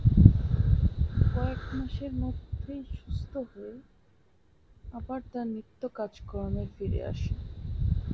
কয়েক মাসের মধ্যেই সুস্থ হয়ে আবার তার নিত্য কার্যক্রমে ফিরে আসেন।